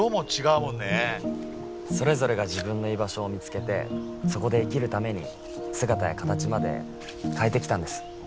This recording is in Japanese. それぞれが自分の居場所を見つけてそこで生きるために姿や形まで変えてきたんです。